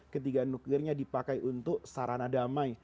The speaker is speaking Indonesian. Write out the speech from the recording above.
ketiga nuklirnya dipakai untuk sarana damai